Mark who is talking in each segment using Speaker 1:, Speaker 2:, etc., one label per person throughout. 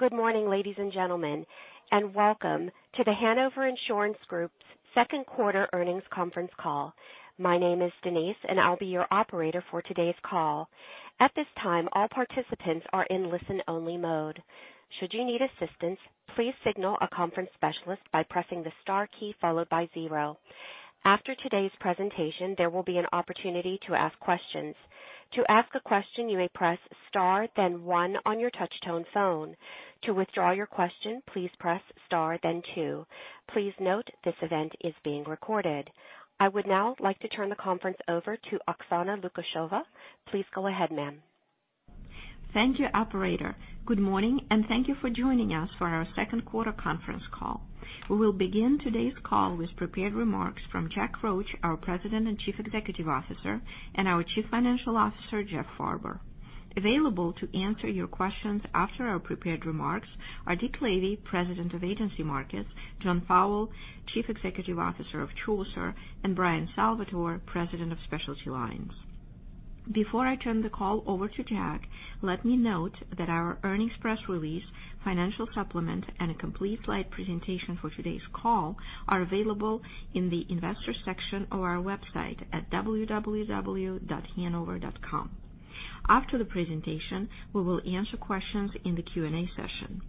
Speaker 1: Good morning, ladies and gentlemen, and welcome to The Hanover Insurance Group's second quarter earnings conference call. My name is Denise, and I'll be your operator for today's call. At this time, all participants are in listen-only mode. Should you need assistance, please signal a conference specialist by pressing the star key followed by 0. After today's presentation, there will be an opportunity to ask questions. To ask a question, you may press star then 1 on your touch-tone phone. To withdraw your question, please press star then 2. Please note this event is being recorded. I would now like to turn the conference over to Oksana Lukasheva. Please go ahead, ma'am.
Speaker 2: Thank you, operator. Good morning, and thank you for joining us for our second quarter conference call. We will begin today's call with prepared remarks from Jack Roche, our President and Chief Executive Officer, and our Chief Financial Officer, Jeff Farber. Available to answer your questions after our prepared remarks are Dick Lavey, President of Agency Markets, John Fowle, Chief Executive Officer of Chaucer, and Bryan Salvatore, President of Specialty Lines. Before I turn the call over to Jack, let me note that our earnings press release, financial supplement, and a complete slide presentation for today's call are available in the investor section of our website at www.hanover.com. After the presentation, we will answer questions in the Q&A session.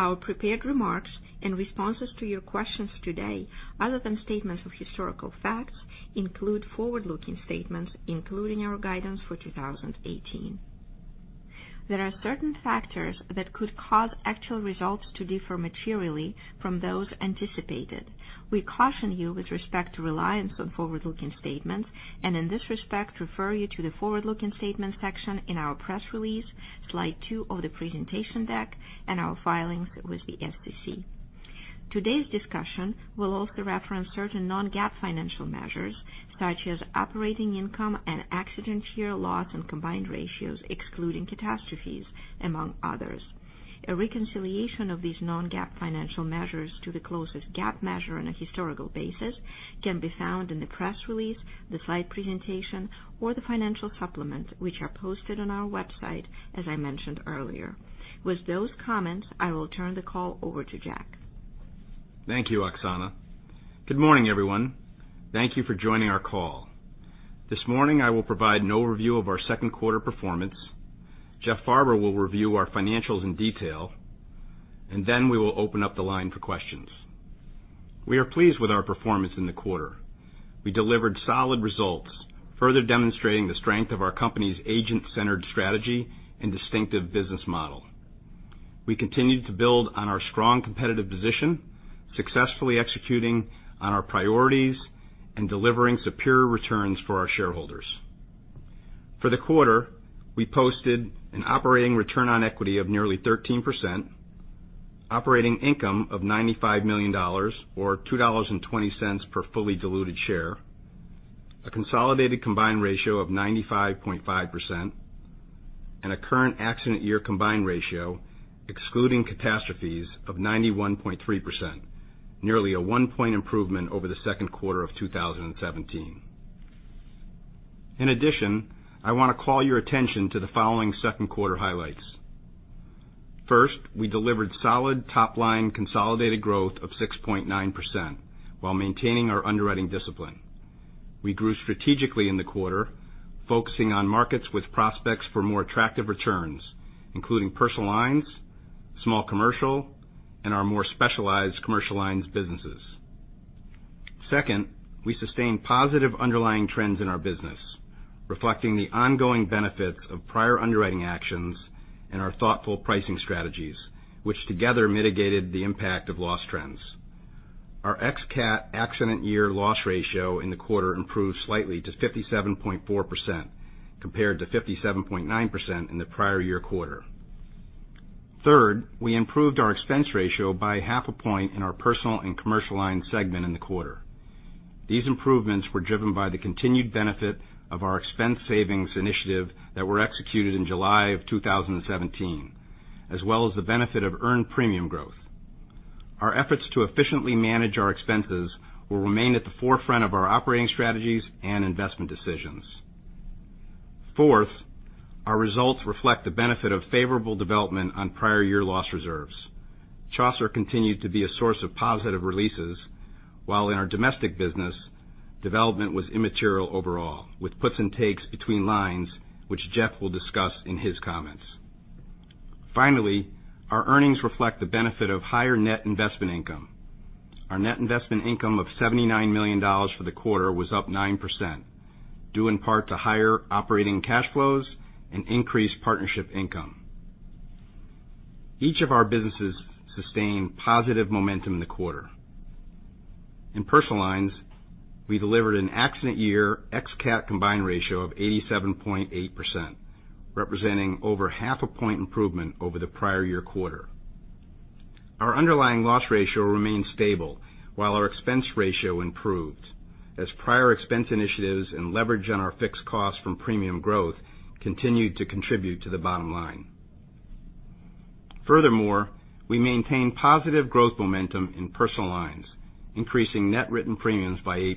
Speaker 2: Our prepared remarks in responses to your questions today, other than statements of historical facts, include forward-looking statements, including our guidance for 2018. There are certain factors that could cause actual results to differ materially from those anticipated. We caution you with respect to reliance on forward-looking statements, and in this respect, refer you to the forward-looking statements section in our press release, slide two of the presentation deck, and our filings with the SEC. Today's discussion will also reference certain non-GAAP financial measures, such as operating income and accident year loss and combined ratios excluding catastrophes, among others. A reconciliation of these non-GAAP financial measures to the closest GAAP measure on a historical basis can be found in the press release, the slide presentation, or the financial supplement, which are posted on our website, as I mentioned earlier. With those comments, I will turn the call over to Jack.
Speaker 3: Thank you, Oksana. Good morning, everyone. Thank you for joining our call. This morning, I will provide an overview of our second quarter performance. Jeff Farber will review our financials in detail, and then we will open up the line for questions. We are pleased with our performance in the quarter. We delivered solid results, further demonstrating the strength of our company's agent-centered strategy and distinctive business model. We continued to build on our strong competitive position, successfully executing on our priorities and delivering superior returns for our shareholders. For the quarter, we posted an operating return on equity of nearly 13%, operating income of $95 million, or $2.20 per fully diluted share, a consolidated combined ratio of 95.5%, and a current accident year combined ratio excluding catastrophes of 91.3%, nearly a one-point improvement over the second quarter of 2017. In addition, I want to call your attention to the following second quarter highlights. First, we delivered solid top-line consolidated growth of 6.9% while maintaining our underwriting discipline. We grew strategically in the quarter, focusing on markets with prospects for more attractive returns, including Personal Lines, small commercial, and our more specialized Commercial Lines businesses. Second, we sustained positive underlying trends in our business, reflecting the ongoing benefits of prior underwriting actions and our thoughtful pricing strategies, which together mitigated the impact of loss trends. Our ex cat accident year loss ratio in the quarter improved slightly to 57.4%, compared to 57.9% in the prior year quarter. Third, we improved our expense ratio by half a point in our personal and commercial line segment in the quarter. These improvements were driven by the continued benefit of our expense savings initiative that were executed in July 2017, as well as the benefit of earned premium growth. Our efforts to efficiently manage our expenses will remain at the forefront of our operating strategies and investment decisions. Fourth, our results reflect the benefit of favorable development on prior year loss reserves. Chaucer continued to be a source of positive releases, while in our domestic business, development was immaterial overall, with puts and takes between lines, which Jeff will discuss in his comments. Finally, our earnings reflect the benefit of higher net investment income. Our net investment income of $79 million for the quarter was up 9%, due in part to higher operating cash flows and increased partnership income. Each of our businesses sustained positive momentum in the quarter. In Personal Lines, we delivered an accident year ex cat combined ratio of 87.8%, representing over half a point improvement over the prior year quarter. Our underlying loss ratio remained stable, while our expense ratio improved as prior expense initiatives and leverage on our fixed costs from premium growth continued to contribute to the bottom line. Furthermore, we maintained positive growth momentum in Personal Lines, increasing net written premiums by 8%.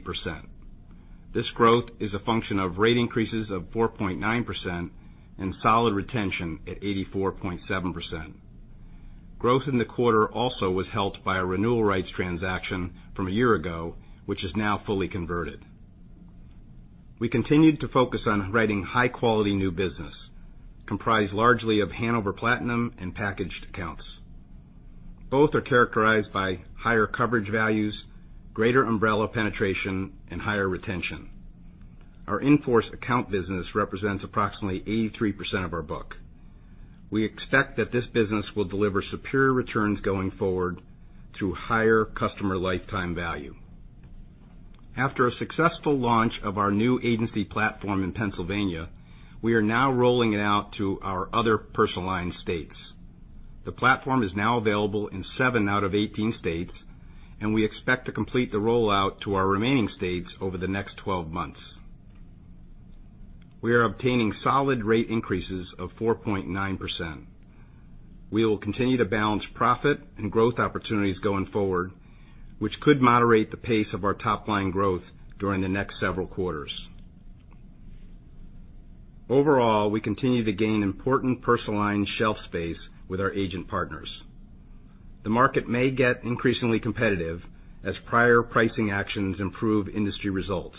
Speaker 3: This growth is a function of rate increases of 4.9% and solid retention at 84.7%. Growth in the quarter also was helped by a renewal rights transaction from a year ago, which is now fully converted. We continued to focus on writing high-quality new business, comprised largely of Hanover Platinum and packaged accounts. Both are characterized by higher coverage values, greater umbrella penetration, and higher retention. Our in-force account business represents approximately 83% of our book. We expect that this business will deliver superior returns going forward through higher customer lifetime value. After a successful launch of our new agency platform in Pennsylvania, we are now rolling it out to our other personal line states. The platform is now available in seven out of 18 states, and we expect to complete the rollout to our remaining states over the next 12 months. We are obtaining solid rate increases of 4.9%. We will continue to balance profit and growth opportunities going forward, which could moderate the pace of our top-line growth during the next several quarters. Overall, we continue to gain important personal line shelf space with our agent partners. The market may get increasingly competitive as prior pricing actions improve industry results.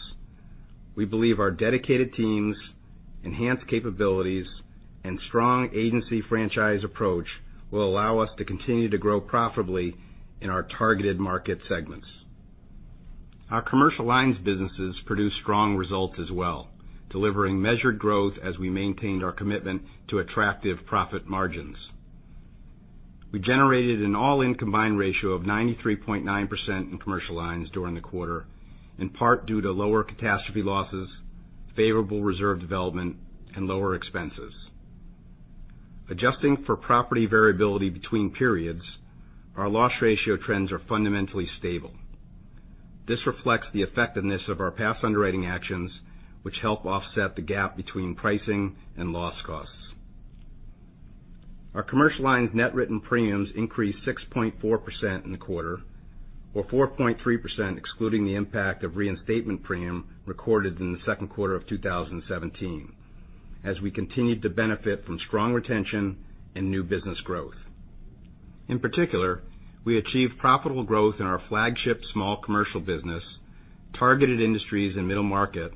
Speaker 3: We believe our dedicated teams, enhanced capabilities, and strong agency franchise approach will allow us to continue to grow profitably in our targeted market segments. Our Commercial Lines businesses produced strong results as well, delivering measured growth as we maintained our commitment to attractive profit margins. We generated an all-in combined ratio of 93.9% in Commercial Lines during the quarter, in part due to lower catastrophe losses, favorable reserve development, and lower expenses. Adjusting for property variability between periods, our loss ratio trends are fundamentally stable. This reflects the effectiveness of our past underwriting actions, which help offset the gap between pricing and loss costs. Our Commercial Lines net written premiums increased 6.4% in the quarter, or 4.3% excluding the impact of reinstatement premium recorded in the second quarter of 2017, as we continued to benefit from strong retention and new business growth. In particular, we achieved profitable growth in our flagship small commercial business, targeted industries and middle market,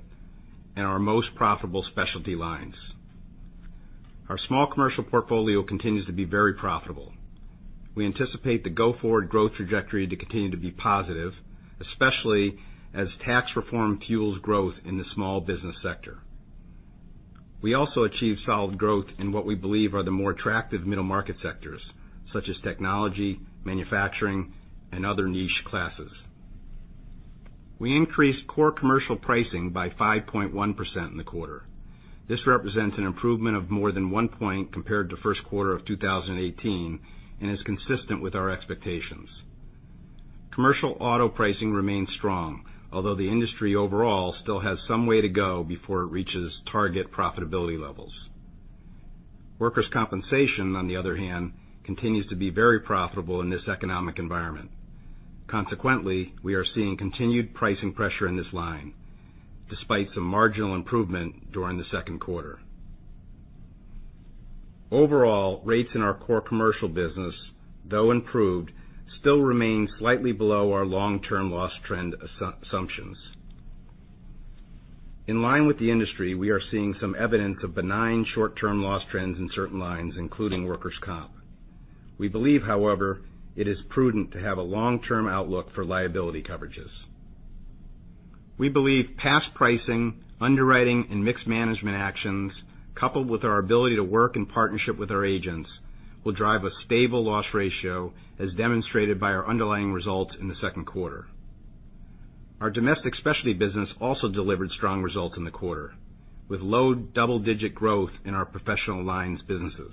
Speaker 3: and our most profitable specialty lines. Our small commercial portfolio continues to be very profitable. We anticipate the go-forward growth trajectory to continue to be positive, especially as tax reform fuels growth in the small business sector. We also achieved solid growth in what we believe are the more attractive middle-market sectors, such as technology, manufacturing, and other niche classes. We increased core commercial pricing by 5.1% in the quarter. This represents an improvement of more than one point compared to first quarter of 2018 and is consistent with our expectations. Commercial auto pricing remains strong, although the industry overall still has some way to go before it reaches target profitability levels. Workers' compensation, on the other hand, continues to be very profitable in this economic environment. We are seeing continued pricing pressure in this line, despite some marginal improvement during the second quarter. Overall, rates in our core commercial business, though improved, still remain slightly below our long-term loss trend assumptions. In line with the industry, we are seeing some evidence of benign short-term loss trends in certain lines, including workers' comp. We believe, however, it is prudent to have a long-term outlook for liability coverages. We believe past pricing, underwriting, and mixed management actions, coupled with our ability to work in partnership with our agents, will drive a stable loss ratio, as demonstrated by our underlying results in the second quarter. Our domestic Specialty business also delivered strong results in the quarter, with low double-digit growth in our Professional Lines businesses.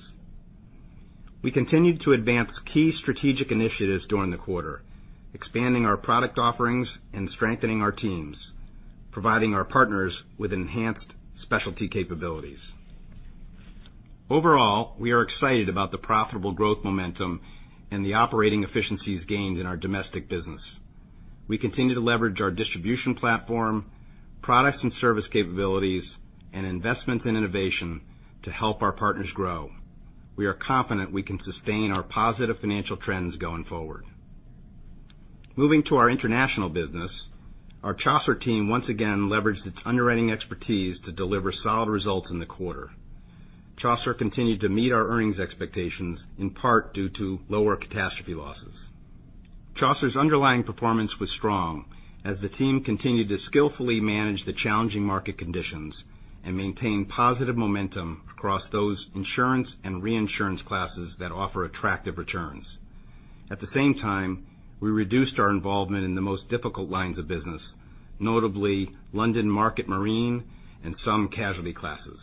Speaker 3: We continued to advance key strategic initiatives during the quarter, expanding our product offerings and strengthening our teams, providing our partners with enhanced specialty capabilities. We are excited about the profitable growth momentum and the operating efficiencies gained in our domestic business. We continue to leverage our distribution platform, products and service capabilities, and investments in innovation to help our partners grow. We are confident we can sustain our positive financial trends going forward. Moving to our international business, our Chaucer team once again leveraged its underwriting expertise to deliver solid results in the quarter. Chaucer continued to meet our earnings expectations, in part due to lower catastrophe losses. Chaucer's underlying performance was strong as the team continued to skillfully manage the challenging market conditions and maintain positive momentum across those insurance and reinsurance classes that offer attractive returns. At the same time, we reduced our involvement in the most difficult lines of business, notably London market marine and some casualty classes.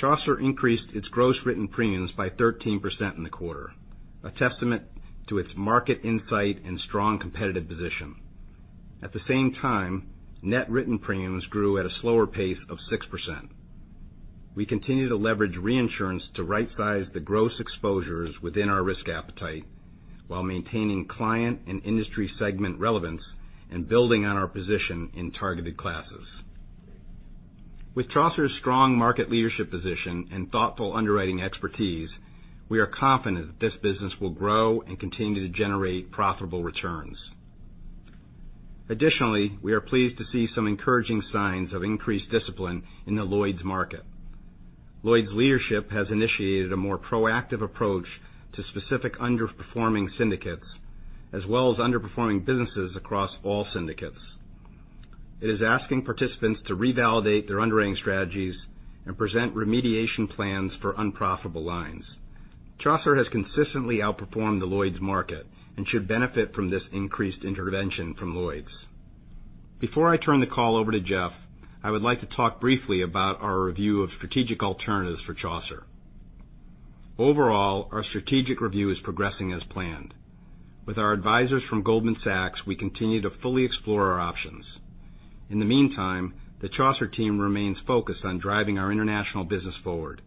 Speaker 3: Chaucer increased its gross written premiums by 13% in the quarter, a testament to its market insight and strong competitive position. At the same time, net written premiums grew at a slower pace of 6%. We continue to leverage reinsurance to right-size the gross exposures within our risk appetite while maintaining client and industry segment relevance and building on our position in targeted classes. With Chaucer's strong market leadership position and thoughtful underwriting expertise, we are confident that this business will grow and continue to generate profitable returns. Additionally, we are pleased to see some encouraging signs of increased discipline in the Lloyd's market. Lloyd's leadership has initiated a more proactive approach to specific underperforming syndicates, as well as underperforming businesses across all syndicates. It is asking participants to revalidate their underwriting strategies and present remediation plans for unprofitable lines. Chaucer has consistently outperformed the Lloyd's market and should benefit from this increased intervention from Lloyd's. Before I turn the call over to Jeff, I would like to talk briefly about our review of strategic alternatives for Chaucer. Overall, our strategic review is progressing as planned. With our advisors from Goldman Sachs, we continue to fully explore our options. In the meantime, the Chaucer team remains focused on driving our international business forward,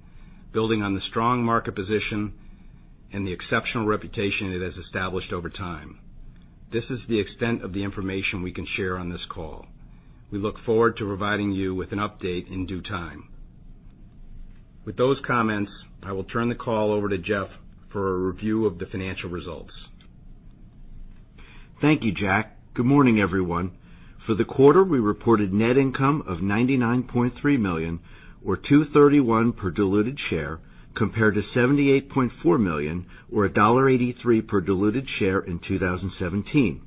Speaker 3: building on the strong market position and the exceptional reputation it has established over time. This is the extent of the information we can share on this call. We look forward to providing you with an update in due time. With those comments, I will turn the call over to Jeff for a review of the financial results.
Speaker 4: Thank you, Jack. Good morning, everyone. For the quarter, we reported net income of $99.3 million, or $2.31 per diluted share, compared to $78.4 million, or $1.83 per diluted share in 2017.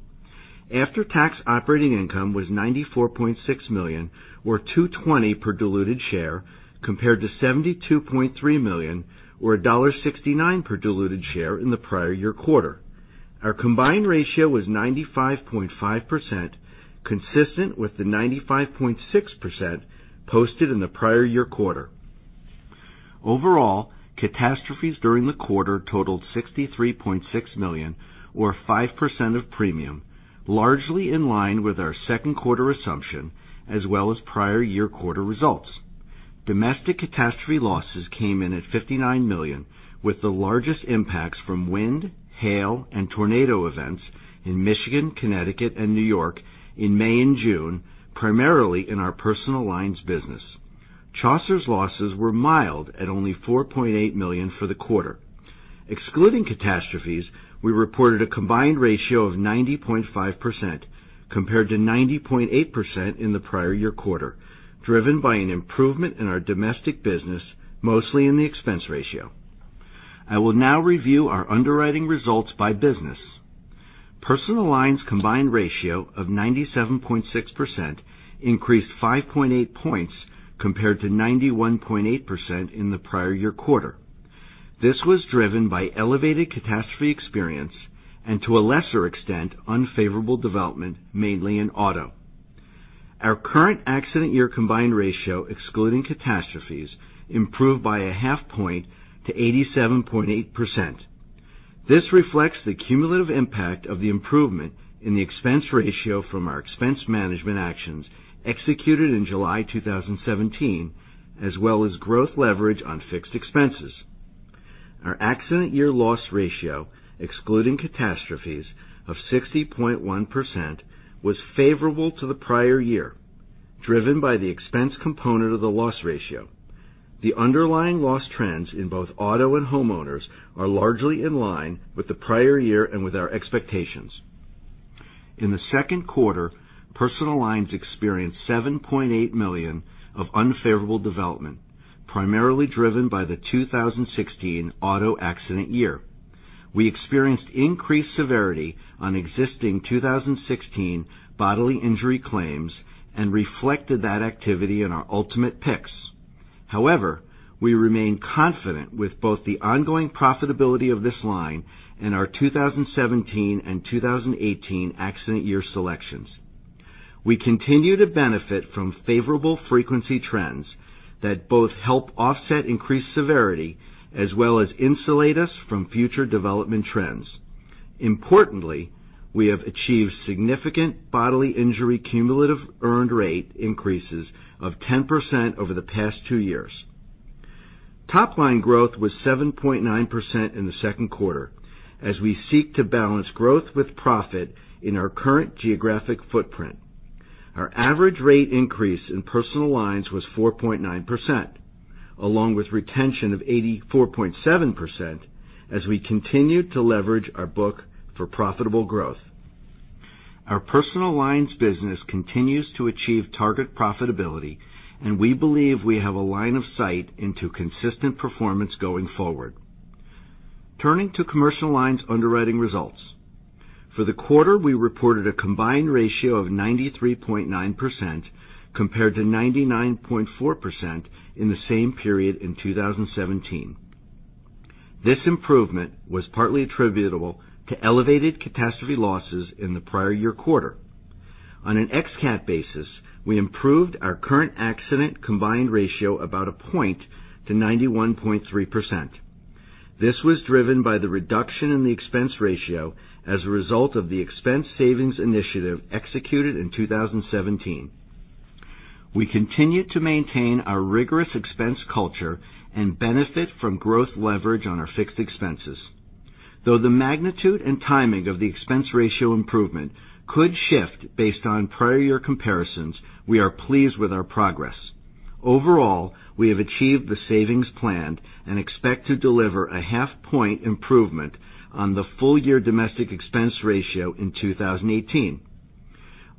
Speaker 4: After-tax operating income was $94.6 million, or $2.20 per diluted share, compared to $72.3 million, or $1.69 per diluted share in the prior year quarter. Our combined ratio was 95.5%, consistent with the 95.6% posted in the prior year quarter. Overall, catastrophes during the quarter totaled $63.6 million, or 5% of premium, largely in line with our second quarter assumption as well as prior year quarter results. Domestic catastrophe losses came in at $59 million, with the largest impacts from wind, hail, and tornado events in Michigan, Connecticut, and New York in May and June, primarily in Personal Lines business. Chaucer's losses were mild at only $4.8 million for the quarter. Excluding catastrophes, we reported a combined ratio of 90.5%, compared to 90.8% in the prior year quarter, driven by an improvement in our domestic business, mostly in the expense ratio. I will now review our underwriting results by Personal Lines combined ratio of 97.6% increased 5.8 points compared to 91.8% in the prior year quarter. This was driven by elevated catastrophe experience and, to a lesser extent, unfavorable development, mainly in auto. Our current accident year combined ratio excluding catastrophes improved by a half point to 87.8%. This reflects the cumulative impact of the improvement in the expense ratio from our expense management actions executed in July 2017 as well as growth leverage on fixed expenses. Our accident year loss ratio, excluding catastrophes, of 60.1%, was favorable to the prior year, driven by the expense component of the loss ratio. The underlying loss trends in both auto and homeowners are largely in line with the prior year and with our expectations. In the second quarter, Personal Lines experienced $7.8 million of unfavorable development, primarily driven by the 2016 auto accident year. We experienced increased severity on existing 2016 bodily injury claims and reflected that activity in our ultimate picks. However, we remain confident with both the ongoing profitability of this line and our 2017 and 2018 accident year selections. We continue to benefit from favorable frequency trends that both help offset increased severity as well as insulate us from future development trends. Importantly, we have achieved significant bodily injury cumulative earned rate increases of 10% over the past two years. Top-line growth was 7.9% in the second quarter as we seek to balance growth with profit in our current geographic footprint. Our average rate increase in Personal Lines was 4.9%, along with retention of 84.7% as we continued to leverage our book for profitable growth. Our Personal Lines business continues to achieve target profitability, and we believe we have a line of sight into consistent performance going forward. Turning to Commercial Lines underwriting results. For the quarter, we reported a combined ratio of 93.9%, compared to 99.4% in the same period in 2017. This improvement was partly attributable to elevated catastrophe losses in the prior year quarter. On an ex-cat basis, we improved our current accident combined ratio about a point to 91.3%. This was driven by the reduction in the expense ratio as a result of the expense savings initiative executed in 2017. We continue to maintain our rigorous expense culture and benefit from growth leverage on our fixed expenses. Though the magnitude and timing of the expense ratio improvement could shift based on prior year comparisons, we are pleased with our progress. Overall, we have achieved the savings planned and expect to deliver a half point improvement on the full year domestic expense ratio in 2018.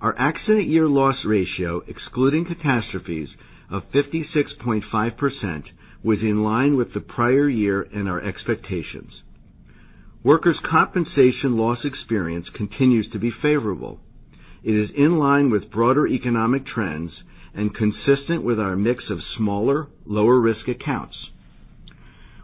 Speaker 4: Our accident year loss ratio, excluding catastrophes of 56.5%, was in line with the prior year and our expectations. Workers' compensation loss experience continues to be favorable. It is in line with broader economic trends and consistent with our mix of smaller, lower-risk accounts.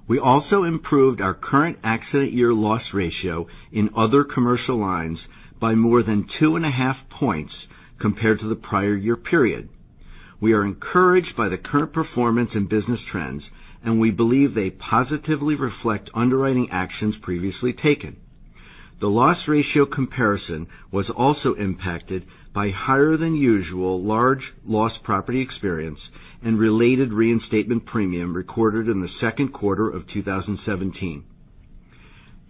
Speaker 4: We also improved our current accident year loss ratio in Other Commercial Lines by more than two and a half points compared to the prior year period. We are encouraged by the current performance and business trends, and we believe they positively reflect underwriting actions previously taken. The loss ratio comparison was also impacted by higher than usual large loss property experience and related reinstatement premium recorded in the second quarter of 2017.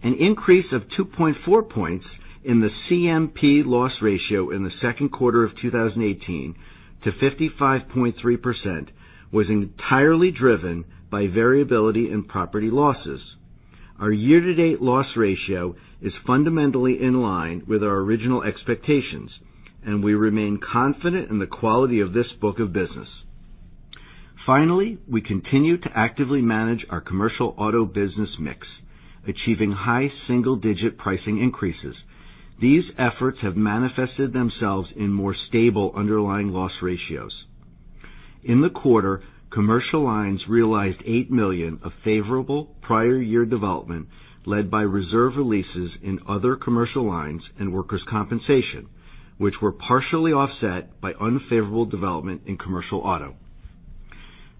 Speaker 4: An increase of 2.4 points in the CMP loss ratio in the second quarter of 2018 to 55.3% was entirely driven by variability in property losses. Our year-to-date loss ratio is fundamentally in line with our original expectations, and we remain confident in the quality of this book of business. Finally, we continue to actively manage our commercial auto business mix, achieving high single-digit pricing increases. These efforts have manifested themselves in more stable underlying loss ratios. In the quarter, Commercial Lines realized $8 million of favorable prior year development, led by reserve releases in Other Commercial Lines and workers' compensation, which were partially offset by unfavorable development in commercial auto.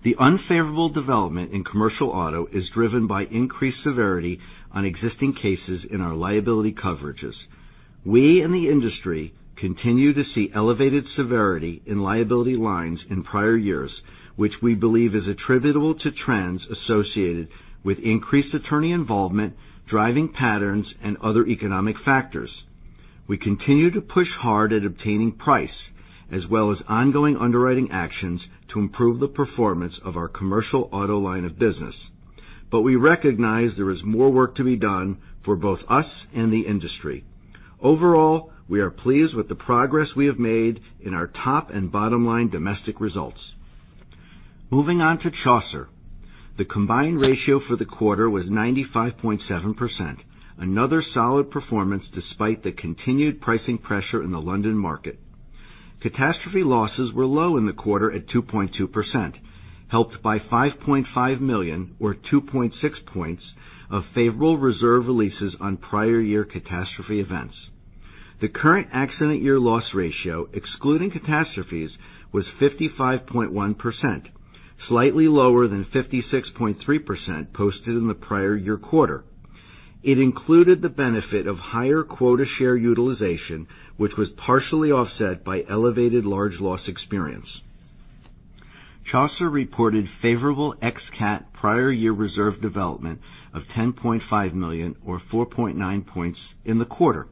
Speaker 4: The unfavorable development in commercial auto is driven by increased severity on existing cases in our liability coverages. We in the industry continue to see elevated severity in liability lines in prior years, which we believe is attributable to trends associated with increased attorney involvement, driving patterns, and other economic factors. We continue to push hard at obtaining price as well as ongoing underwriting actions to improve the performance of our commercial auto line of business. We recognize there is more work to be done for both us and the industry. Overall, we are pleased with the progress we have made in our top and bottom-line domestic results. Moving on to Chaucer. The combined ratio for the quarter was 95.7%, another solid performance despite the continued pricing pressure in the London market. Catastrophe losses were low in the quarter at 2.2%, helped by $5.5 million or 2.6 points of favorable reserve releases on prior year catastrophe events. The current accident year loss ratio excluding catastrophes was 55.1%, slightly lower than 56.3% posted in the prior year quarter. It included the benefit of higher quota share utilization, which was partially offset by elevated large loss experience. Chaucer reported favorable ex cat prior year reserve development of $10.5 million or 4.9 points in the quarter.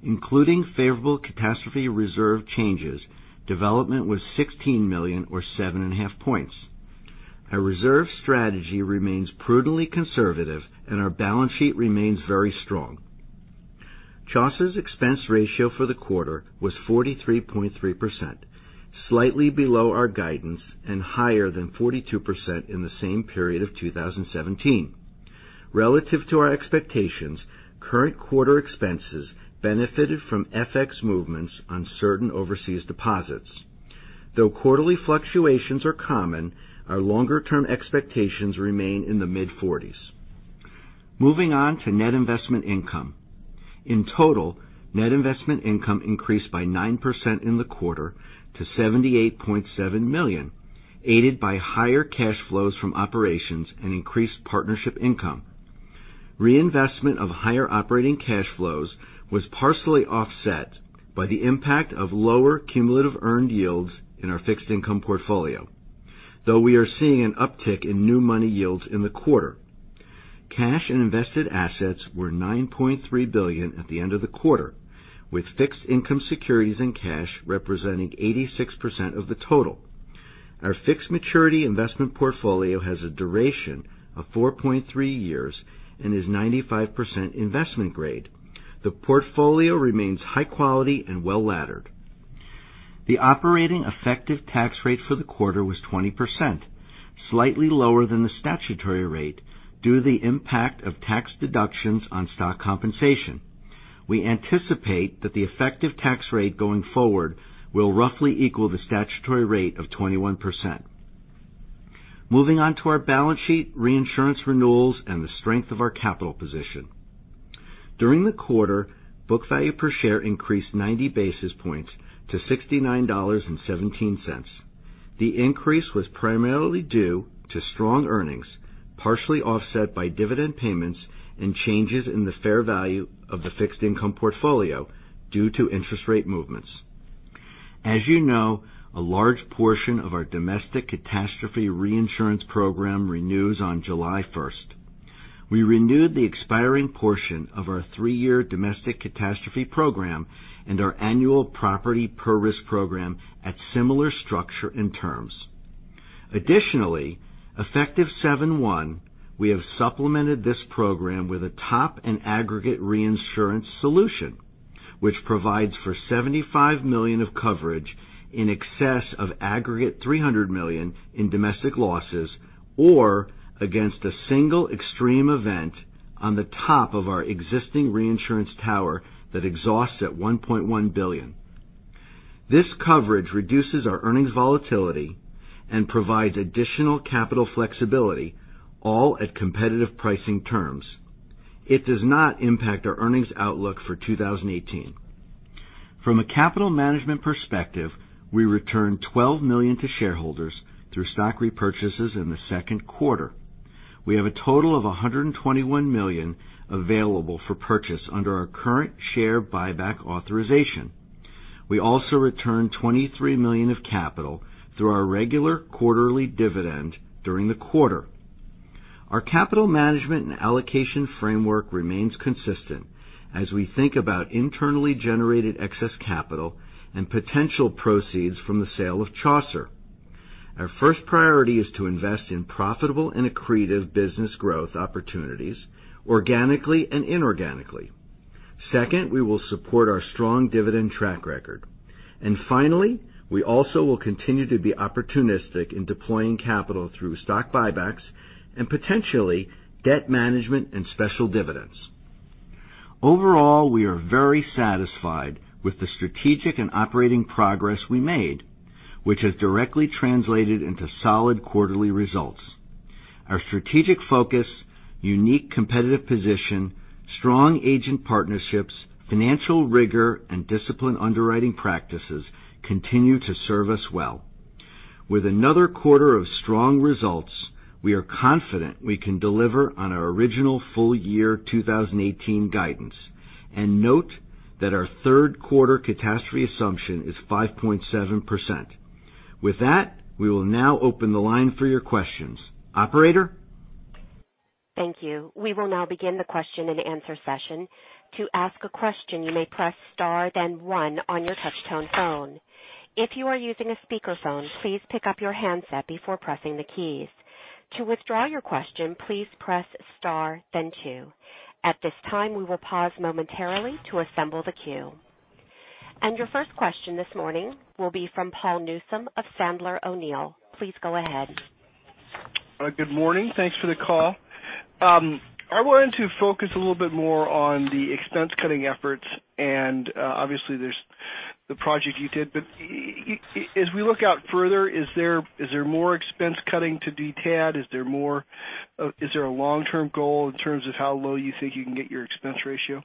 Speaker 4: Including favorable catastrophe reserve changes, development was $16 million or 7.5 points. Our reserve strategy remains prudently conservative, and our balance sheet remains very strong. Chaucer's expense ratio for the quarter was 43.3%, slightly below our guidance and higher than 42% in the same period of 2017. Relative to our expectations, current quarter expenses benefited from FX movements on certain overseas deposits. Though quarterly fluctuations are common, our longer-term expectations remain in the mid-40s. Moving on to net investment income. In total, net investment income increased by 9% in the quarter to $78.7 million, aided by higher cash flows from operations and increased partnership income. Reinvestment of higher operating cash flows was partially offset by the impact of lower cumulative earned yields in our fixed income portfolio, though we are seeing an uptick in new money yields in the quarter. Cash and invested assets were $9.3 billion at the end of the quarter, with fixed-income securities and cash representing 86% of the total. Our fixed maturity investment portfolio has a duration of 4.3 years and is 95% investment grade. The portfolio remains high quality and well-laddered. The operating effective tax rate for the quarter was 20%, slightly lower than the statutory rate due to the impact of tax deductions on stock compensation. We anticipate that the effective tax rate going forward will roughly equal the statutory rate of 21%. Moving on to our balance sheet, reinsurance renewals, and the strength of our capital position. During the quarter, book value per share increased 90 basis points to $69.17. The increase was primarily due to strong earnings, partially offset by dividend payments and changes in the fair value of the fixed income portfolio due to interest rate movements. As you know, a large portion of our domestic catastrophe reinsurance program renews on July 1st. We renewed the expiring portion of our three-year domestic catastrophe program and our annual property per-risk program at similar structure and terms. Additionally, effective 7/1, we have supplemented this program with a top and aggregate reinsurance solution, which provides for $75 million of coverage in excess of aggregate $300 million in domestic losses, or against a single extreme event on the top of our existing reinsurance tower that exhausts at $1.1 billion. This coverage reduces our earnings volatility and provides additional capital flexibility, all at competitive pricing terms. It does not impact our earnings outlook for 2018. From a capital management perspective, we returned $12 million to shareholders through stock repurchases in the second quarter. We have a total of $121 million available for purchase under our current share buyback authorization. We also returned $23 million of capital through our regular quarterly dividend during the quarter. Our capital management and allocation framework remains consistent as we think about internally generated excess capital and potential proceeds from the sale of Chaucer. Our first priority is to invest in profitable and accretive business growth opportunities organically and inorganically. Second, we will support our strong dividend track record. Finally, we also will continue to be opportunistic in deploying capital through stock buybacks and potentially debt management and special dividends. Overall, we are very satisfied with the strategic and operating progress we made, which has directly translated into solid quarterly results. Our strategic focus, unique competitive position, strong agent partnerships, financial rigor, and disciplined underwriting practices continue to serve us well. With another quarter of strong results, we are confident we can deliver on our original full year 2018 guidance. Note that our third quarter catastrophe assumption is 5.7%. With that, we will now open the line for your questions. Operator?
Speaker 1: Thank you. We will now begin the question and answer session. To ask a question, you may press star then one on your touch tone phone. If you are using a speakerphone, please pick up your handset before pressing the keys. To withdraw your question, please press star then two. At this time, we will pause momentarily to assemble the queue. Your first question this morning will be from Paul Newsome of Sandler O'Neill. Please go ahead.
Speaker 5: Good morning. Thanks for the call. I wanted to focus a little bit more on the expense cutting efforts, obviously there's the project you did. As we look out further, is there more expense cutting to be had? Is there a long-term goal in terms of how low you think you can get your expense ratio?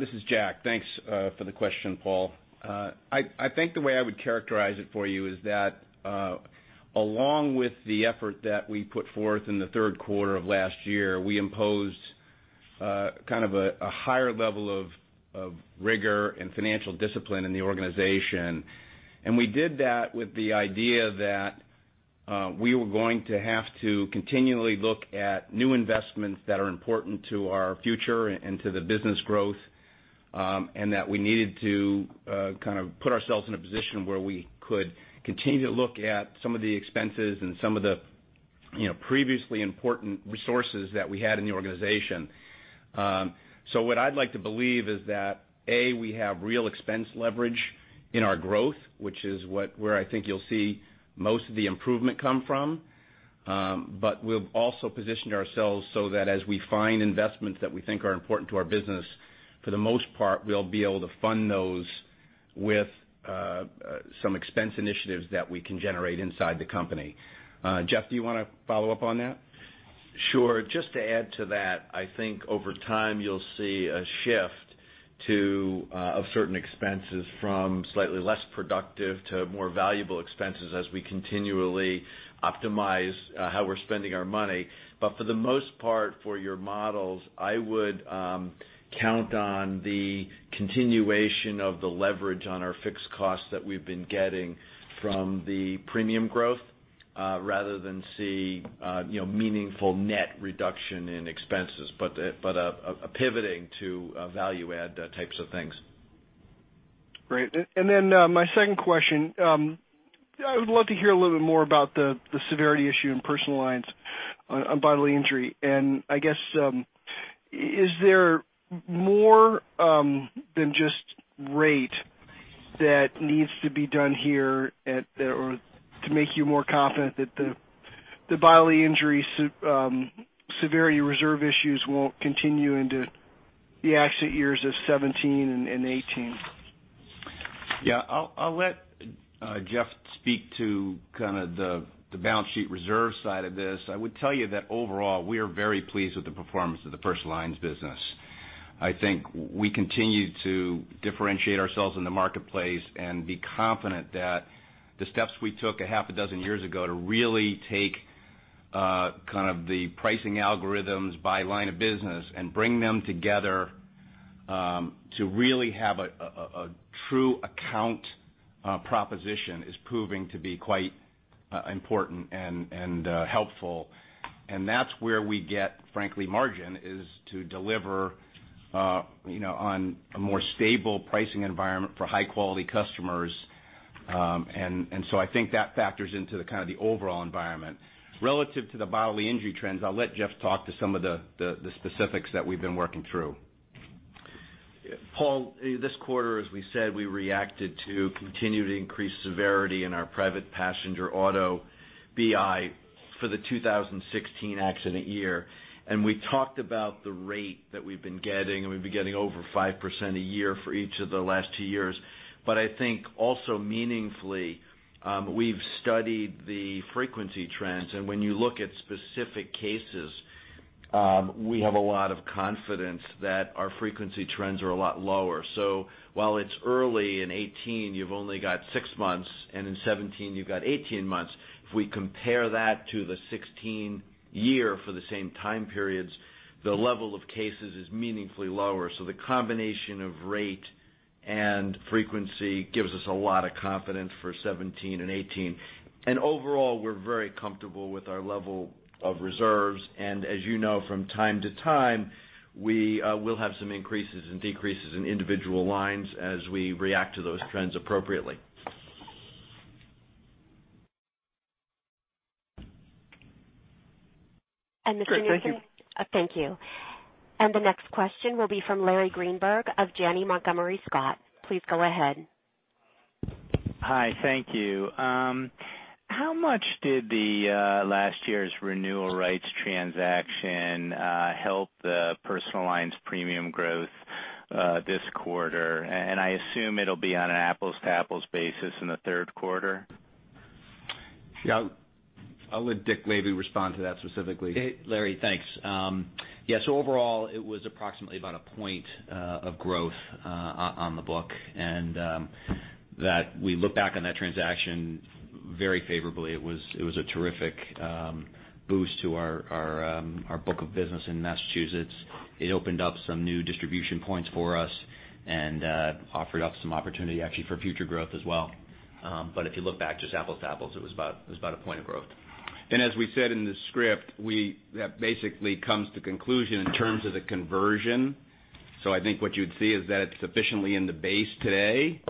Speaker 3: This is Jack. Thanks for the question, Paul. I think the way I would characterize it for you is that along with the effort that we put forth in the third quarter of last year, we imposed a higher level of rigor and financial discipline in the organization. We did that with the idea that we were going to have to continually look at new investments that are important to our future and to the business growth, and that we needed to put ourselves in a position where we could continue to look at some of the expenses and some of the previously important resources that we had in the organization. What I'd like to believe is that, A, we have real expense leverage in our growth, which is where I think you'll see most of the improvement come from. We've also positioned ourselves so that as we find investments that we think are important to our business, for the most part, we'll be able to fund those with some expense initiatives that we can generate inside the company. Jeff, do you want to follow up on that?
Speaker 4: Sure. Just to add to that, I think over time, you'll see a shift of certain expenses from slightly less productive to more valuable expenses as we continually optimize how we're spending our money. For the most part, for your models, I would count on the continuation of the leverage on our fixed costs that we've been getting from the premium growth, rather than see meaningful net reduction in expenses, but a pivoting to value-add types of things.
Speaker 5: Great. Then my second question, I would love to hear a little bit more about the severity issue in Personal Lines on bodily injury. I guess, is there more than just rate that needs to be done here, to make you more confident that the bodily injury severity reserve issues won't continue into the accident years of 2017 and 2018?
Speaker 3: Yeah. I'll let Jeff speak to the balance sheet reserve side of this. I would tell you that overall, we are very pleased with the performance of the Personal Lines business. I think we continue to differentiate ourselves in the marketplace and be confident that the steps we took 6 years ago to really take the pricing algorithms by line of business and bring them together, to really have a true account proposition, is proving to be quite important and helpful. That's where we get, frankly, margin, is to deliver on a more stable pricing environment for high-quality customers. I think that factors into the overall environment. Relative to the bodily injury trends, I'll let Jeff talk to some of the specifics that we've been working through.
Speaker 4: Paul, this quarter, as we said, we reacted to continued increased severity in our private passenger auto BI for the 2016 accident year. We talked about the rate that we've been getting, and we've been getting over 5% a year for each of the last 2 years. I think also meaningfully, we've studied the frequency trends, and when you look at specific cases, we have a lot of confidence that our frequency trends are a lot lower. While it's early in 2018, you've only got 6 months, and in 2017, you've got 18 months. If we compare that to the 2016 year for the same time periods, the level of cases is meaningfully lower. The combination of rate and frequency gives us a lot of confidence for 2017 and 2018. Overall, we're very comfortable with our level of reserves.
Speaker 6: As you know, from time to time, we will have some increases and decreases in individual lines as we react to those trends appropriately.
Speaker 1: Mr. Newsome-
Speaker 5: Great, thank you.
Speaker 1: Thank you. The next question will be from Larry Greenberg of Janney Montgomery Scott. Please go ahead.
Speaker 7: Hi. Thank you. How much did the last year's renewal rights transaction help the Personal Lines premium growth this quarter? I assume it'll be on an apples-to-apples basis in the third quarter.
Speaker 3: Yeah. I'll let Dick maybe respond to that specifically.
Speaker 6: Hey, Larry. Thanks. Yeah. Overall, it was approximately about a point of growth on the book. That we look back on that transaction very favorably. It was a terrific boost to our book of business in Massachusetts. Offered up some opportunity, actually, for future growth as well. If you look back just apples to apples, it was about a point of growth.
Speaker 3: As we said in the script, that basically comes to conclusion in terms of the conversion. I think what you'd see is that it's sufficiently in the base today.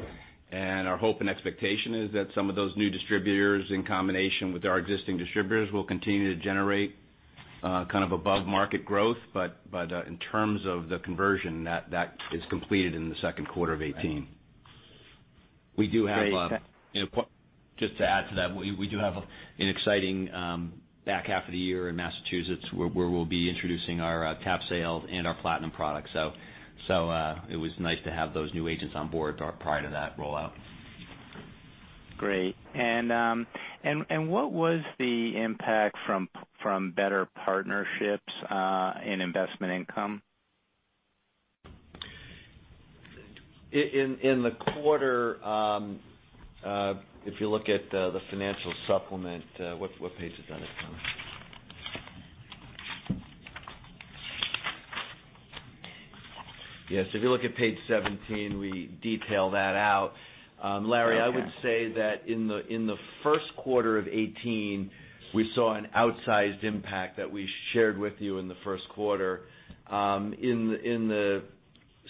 Speaker 3: Our hope and expectation is that some of those new distributors, in combination with our existing distributors, will continue to generate above-market growth. In terms of the conversion, that is completed in the second quarter of 2018.
Speaker 6: Right. Just to add to that, we do have an exciting back half of the year in Massachusetts, where we'll be introducing our Connections and our Platinum products. It was nice to have those new agents on board prior to that rollout.
Speaker 7: Great. What was the impact from better partnerships in investment income?
Speaker 4: In the quarter, if you look at the financial supplement, what page is that on, Tom? Yes, if you look at page 17, we detail that out. Larry, I would say that in the first quarter of 2018, we saw an outsized impact that we shared with you in the first quarter. In the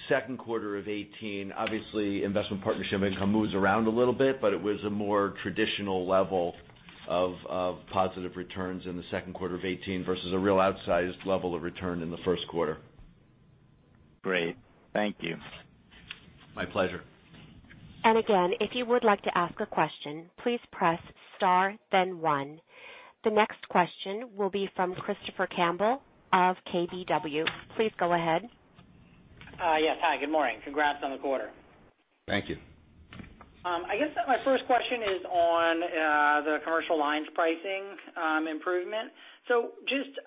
Speaker 4: second quarter of 2018, obviously, investment partnership income moves around a little bit, but it was a more traditional level of positive returns in the second quarter of 2018 versus a real outsized level of return in the first quarter.
Speaker 7: Great. Thank you.
Speaker 3: My pleasure.
Speaker 1: Again, if you would like to ask a question, please press star, then one. The next question will be from Christopher Campbell of KBW. Please go ahead.
Speaker 8: Yes. Hi, good morning. Congrats on the quarter.
Speaker 3: Thank you.
Speaker 8: I guess that my first question is on the Commercial Lines pricing improvement.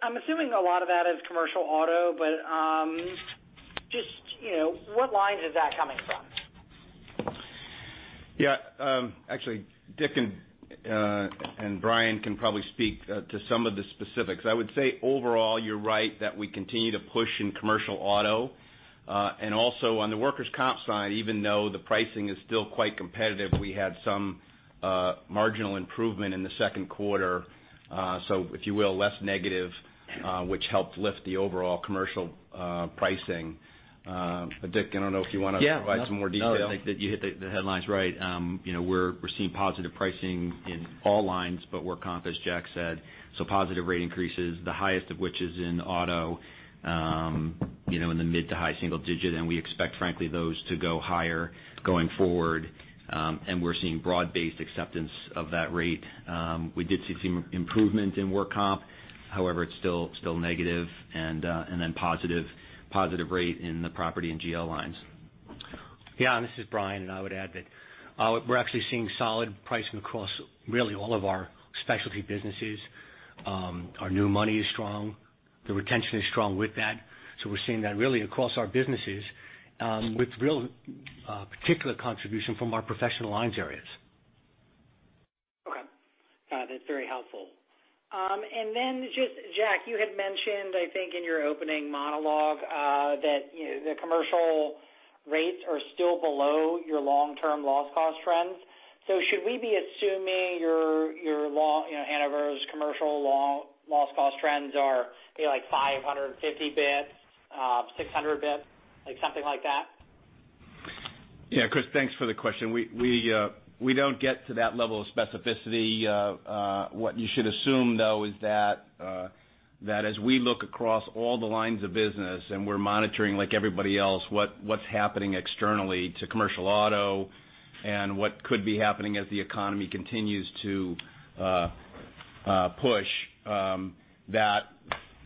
Speaker 8: I'm assuming a lot of that is commercial auto, but just what lines is that coming from?
Speaker 3: Actually, Dick and Bryan can probably speak to some of the specifics. I would say overall, you're right that we continue to push in commercial auto. Also on the workers' comp side, even though the pricing is still quite competitive, we had some marginal improvement in the second quarter. If you will, less negative, which helped lift the overall commercial pricing. Dick, I don't know if you want to provide some more detail.
Speaker 6: Yeah. No, I think that you hit the headlines right. We're seeing positive pricing in all lines but work comp, as Jack said. Positive rate increases, the highest of which is in auto, in the mid to high single-digit, and we expect, frankly, those to go higher going forward. We're seeing broad-based acceptance of that rate. We did see some improvement in work comp. However, it's still negative and then positive rate in the property and GL lines.
Speaker 9: Yeah. This is Bryan, and I would add that we're actually seeing solid pricing across really all of our Specialty businesses. Our new money is strong, the retention is strong with that. We're seeing that really across our businesses, with real particular contribution from our Professional Lines areas.
Speaker 8: Okay. That's very helpful. Just, Jack, you had mentioned, I think in your opening monologue, that the commercial rates are still below your long-term loss cost trends. Should we be assuming your Hanover's commercial loss cost trends are like 550 basis points, 600 basis points, something like that?
Speaker 3: Yeah, Chris, thanks for the question. We don't get to that level of specificity. What you should assume, though, is that as we look across all the lines of business, and we're monitoring, like everybody else, what's happening externally to commercial auto and what could be happening as the economy continues to push, that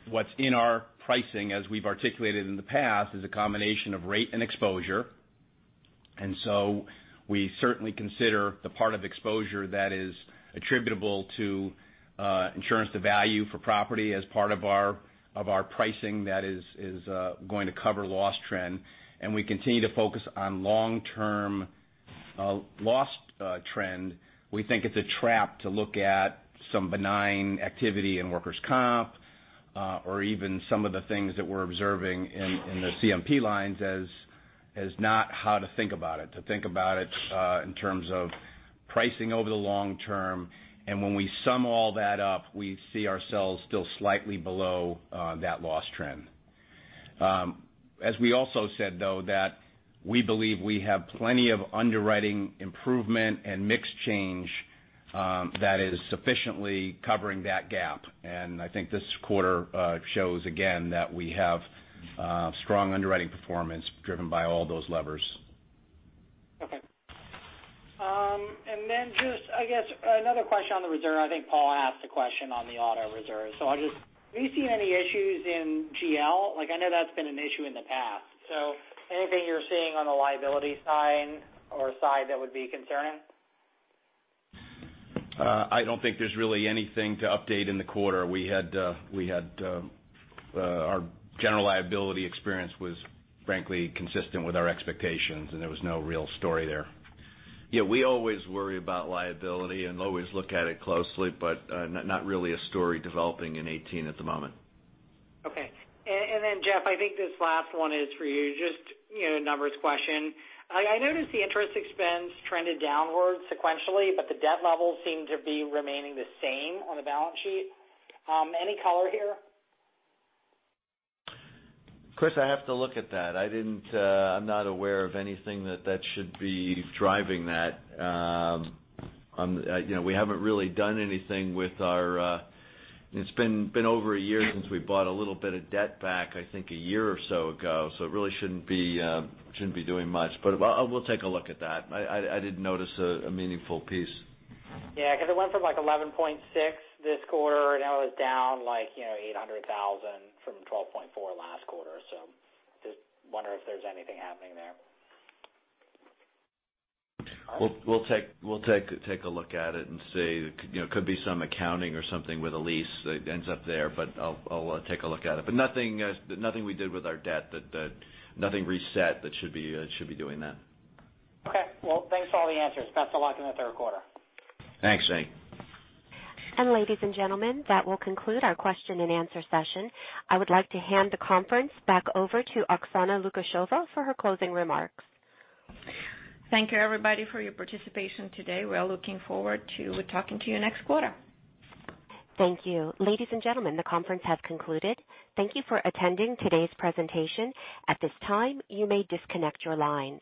Speaker 3: what's in our pricing, as we've articulated in the past, is a combination of rate and exposure. We certainly consider the part of exposure that is attributable to insurance to value for property as part of our pricing that is going to cover loss trend. We continue to focus on long-term loss trend. We think it's a trap to look at some benign activity in workers' comp, or even some of the things that we're observing in the CMP lines as not how to think about it. To think about it in terms of pricing over the long term, and when we sum all that up, we see ourselves still slightly below that loss trend. As we also said, though, that we believe we have plenty of underwriting improvement and mix change that is sufficiently covering that gap. I think this quarter shows again that we have strong underwriting performance driven by all those levers.
Speaker 8: Okay. Then just, I guess another question on the reserve. I think Paul asked a question on the auto reserve. Are you seeing any issues in GL? I know that's been an issue in the past. Anything you're seeing on the liability side or that would be concerning?
Speaker 3: I don't think there's really anything to update in the quarter. Our general liability experience was frankly consistent with our expectations, and there was no real story there.
Speaker 4: Yeah, we always worry about liability and always look at it closely, but not really a story developing in 2018 at the moment.
Speaker 8: Okay. Jeff, I think this last one is for you. Just a numbers question. I noticed the interest expense trended downwards sequentially, but the debt levels seem to be remaining the same on the balance sheet. Any color here?
Speaker 4: Chris, I have to look at that. I'm not aware of anything that should be driving that. We haven't really done anything. It's been over a year since we bought a little bit of debt back, I think a year or so ago. It really shouldn't be doing much. We'll take a look at that. I didn't notice a meaningful piece.
Speaker 8: Yeah, because it went from like $11.6 million this quarter, now it's down like $800,000 from $12.4 million last quarter. Just wonder if there's anything happening there.
Speaker 4: We'll take a look at it and see. It could be some accounting or something with a lease that ends up there, but I'll take a look at it. Nothing we did with our debt. Nothing reset that should be doing that.
Speaker 8: Okay. Well, thanks for all the answers. Best of luck in the third quarter. Thanks, Jack.
Speaker 1: Ladies and gentlemen, that will conclude our question and answer session. I would like to hand the conference back over to Oksana Lukasheva for her closing remarks.
Speaker 2: Thank you, everybody, for your participation today. We are looking forward to talking to you next quarter.
Speaker 1: Thank you. Ladies and gentlemen, the conference has concluded. Thank you for attending today's presentation. At this time, you may disconnect your lines.